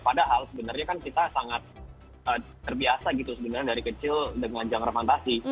padahal sebenernya kan kita sangat terbiasa gitu sebenernya dari kecil dengan genre fantasi